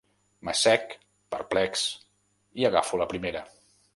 M'assec, perplex, i agafo la primera.